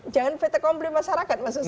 jangan vete komplim masyarakat maksud saya